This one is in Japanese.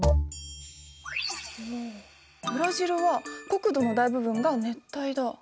ブラジルは国土の大部分が熱帯だ。